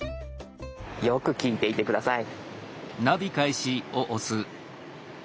よく聞いていて下さい。